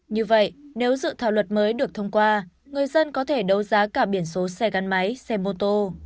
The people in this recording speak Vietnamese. như vậy nếu dự thảo luật mới được thông qua người dân có thể đấu giá cả biển số xe gắn máy xe mô tô